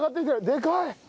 でかい！